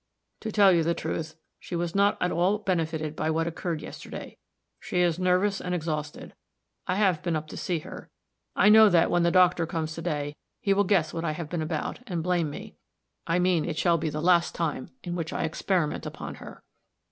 "To tell you the truth, she was not at all benefited by what occurred yesterday. She is nervous and exhausted; I have been up to see her. I know that when the doctor comes to day, he will guess what I have been about, and blame me. I mean it shall be the last time in which I experiment upon her."